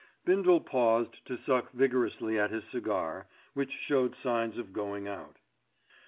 Bindle paused to suck vigorously at his cigar, which showed signs of going out.